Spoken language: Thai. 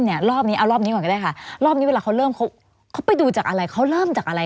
ใช่ใช่มันต้องเอาเอาให้สุด